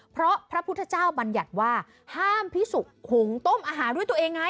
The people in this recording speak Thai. เพราะพระพุทธเจ้าบัญญัติว่าห้ามพิสุกหุงต้มอาหารด้วยตัวเองไง